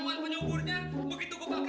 commander pengunder tanpa napak